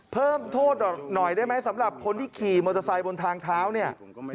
เพิ่มโทษหน่อยได้ไหมสำหรับคนที่ขี่มอเตอร์ไซค์บนทางเท้าเนี่ย